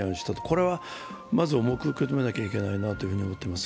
これはまず重く受け止めなきゃいけないなと思っています。